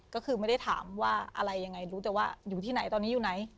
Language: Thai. ก็คือไม่ได้ถามว่าอะไรยังไงรู้แต่ว่าอยู่ที่ไหนตอนนี้อยู่ไหน